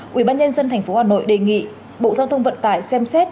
quỹ ban nhân dân tp hà nội đề nghị bộ giao thông vận tải xem xét